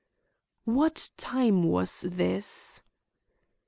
"What time was this?"